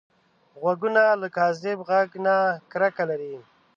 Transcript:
غوږونه له کاذب غږ نه کرکه لري